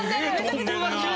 これは何？